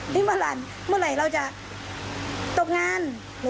นี่เมื่อไหร่เราจะตกงาน